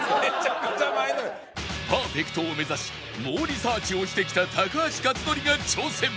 パーフェクトを目指し猛リサーチをしてきた高橋克典が挑戦！